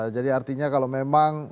jadi artinya kalau memang